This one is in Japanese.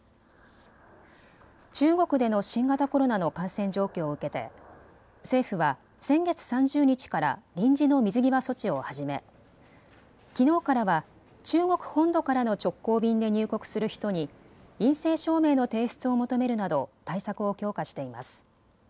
中国での新型コロナの感染状況を受けて政府は先月３０日から臨時の水際措置を始め、きのうからは中国本土からの直行便で入国する人に陰性証明の提出を求めるなど対策を強化しています。